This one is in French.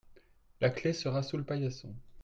La clé sera sous le paillasson.